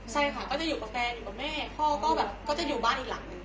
ใช่ค่ะก็จะอยู่กับแฟนอยู่กับแม่พ่อจริง